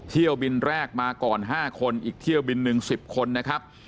เที่ยวบินแรกมาก่อน๕คนอีกเที่ยวบินหนึ่ง๑๐คนนะครับ